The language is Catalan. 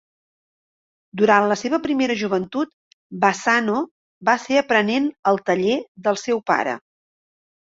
Durant la seva primera joventut Bassano va ser aprenent al taller del seu pare.